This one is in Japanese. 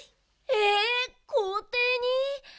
えこうていに？